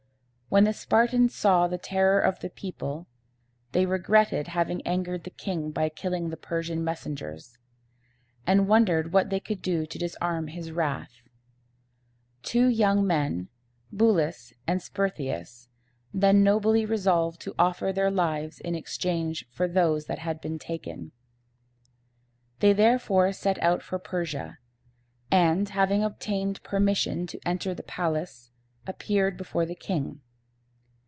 When the Spartans saw the terror of the people, they regretted having angered the king by killing the Persian messengers, and wondered what they could do to disarm his wrath. Two young men, Bu´lis and Sper´thi as, then nobly resolved to offer their lives in exchange for those that had been taken. They therefore set out for Persia, and, having obtained permission to enter the palace, appeared before the king.